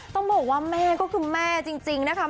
ต้องบอกว่าแม่ก็คือแม่จริงนะคะ